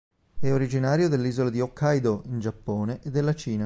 È originaria dell'isola di Hokkaidō in Giappone e della Cina.